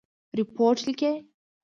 رپوټ لیکئ؟